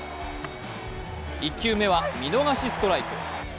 １球目は見逃しストライク。